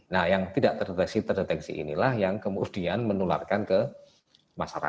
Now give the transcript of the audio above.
nah yang tidak terdeteksi terdeteksi inilah yang kemudian menularkan ke masyarakat